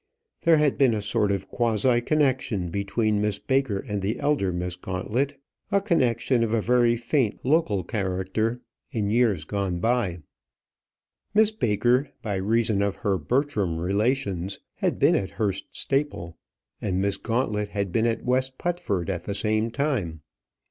There had been a sort of quasi connection between Miss Baker and the elder Miss Gauntlet a connection of a very faint local character in years gone by. Miss Baker, by reason of her Bertram relations, had been at Hurst Staple, and Miss Gauntlet had been at West Putford at the same time.